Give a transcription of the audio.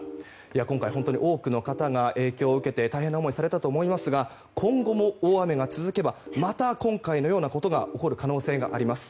今回、本当に多くの方が影響を受けて大変な思いをされたかと思いますが、今後も大雨が続けばまた今回のようなことが起こる可能性があります。